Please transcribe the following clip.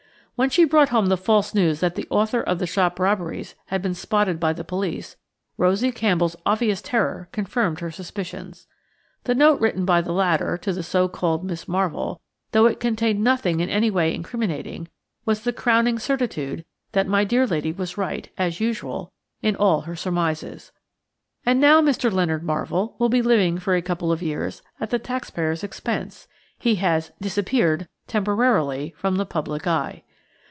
When she brought home the false news that the author of the shop robberies had been spotted by the police, Rosie Campbell's obvious terror confirmed her suspicions. The note written by the latter to the so called Miss Marvell, though it contained nothing in any way incriminating, was the crowning certitude that my dear lady was right, as usual, in all her surmises. And now Mr. Leonard Marvell will be living for a couple of years at the tax payers' expense; he has "disappeared" temporarily from the public eye.